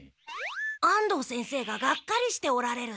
安藤先生ががっかりしておられる。